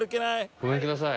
ごめんください。